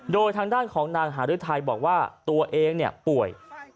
โดยทางด้านของนางหาฤทัยบอกว่าตัวเองเนี่ยป่วย